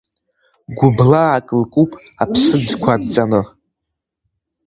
Гәыблаак лкуп аԥсыӡқәа анҵаны.